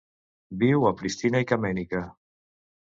Viu a Pristina i Kamenica.